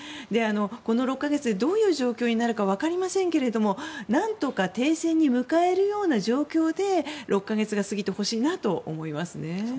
この６か月でどういう状況になるか分かりませんけれども何とか停戦に迎えるような状況で６か月が過ぎてほしいなと思いますね。